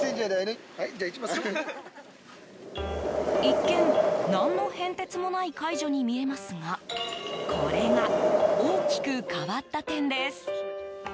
一見、何の変哲もない介助に見えますがこれが大きく変わった点です。